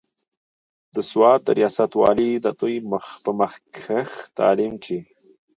د سوات د رياست والي د دوي پۀ مخکښې تعليم کښې